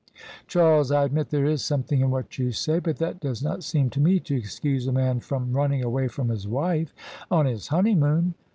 " Charles, I admit there is something in what you say. But that does not seem to me to excuse a man from running away from his wife on his honeymoon."